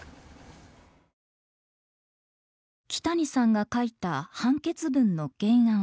木谷さんが書いた判決文の原案。